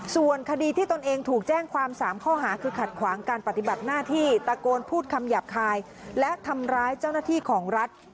ส่วนคดีที่ตนเองถูกแจ้งความ๓ข้อหาคือขัดขวางการปฏิบัติหน้าที่ตะโกนพูดคำหยาบคายและทำร้ายเจ้าหน้าที่ของรัฐ